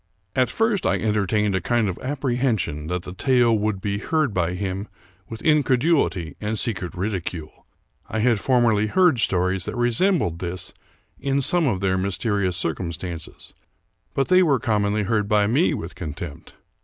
At first I entertained a kind of apprehension that the tale would be heard by him with incredulity and secret ridicule. I had formerly heard stories that resembled this in some of their mysterious circumstances ; but they were commonly heard by me with contempt.